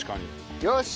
よし！